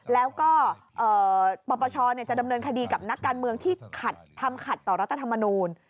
แล้วก็ปปชจะดำเนินคดีกับนักการเมืองที่ทำขัดต่อรัฐธรรมนูล